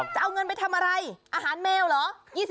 จะเอาเงินไปทำอะไรอาหารแมวเหรอ